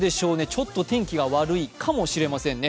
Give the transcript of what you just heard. ちょっと天気が悪いかもしれませんね。